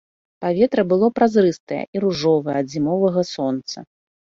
Паветра было празрыстае і ружовае ад зімовага сонца.